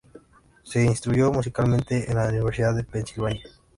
Se instruyó musicalmente en la Universidad de Pennsylvania.